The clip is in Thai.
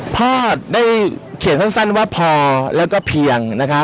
พ่อได้เขียนสั้นว่าพอกระเภียง